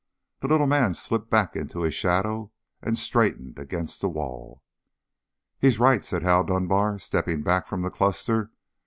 The little man slipped back into his shadow, and straightened against the wall. "He's right," said Hal Dunbar, stepping back from the cluster.